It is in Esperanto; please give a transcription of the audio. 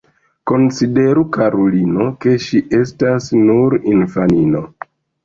Konsideru, karulino, ke ŝi estas nur infanino.